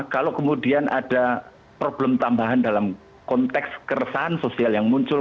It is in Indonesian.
kalau kemudian ada problem tambahan dalam konteks keresahan sosial yang muncul